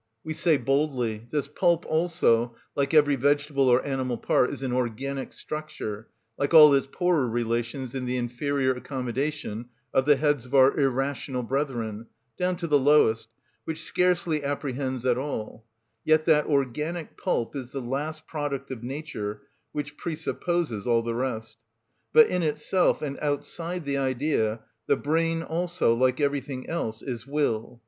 We say boldly: this pulp also, like every vegetable or animal part, is an organic structure, like all its poorer relations in the inferior accommodation of the heads of our irrational brethren, down to the lowest, which scarcely apprehends at all; yet that organic pulp is the last product of nature, which presupposes all the rest. But in itself, and outside the idea, the brain also, like everything else, is will.